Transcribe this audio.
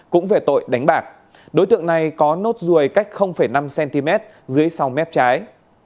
cũng về tội đánh bạc đối tượng này có nốt ruồi cách năm cm dưới sau mép trái